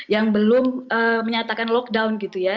yang belum menyatakan lockdown gitu ya